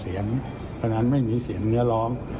เพราะฉะนั้นไม่มีเสียงแนวน้อง